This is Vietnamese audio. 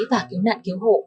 và cứu nạn cứu hộ